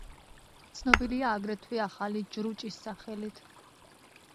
ცნობილია აგრეთვე ახალი ჯრუჭის სახელით.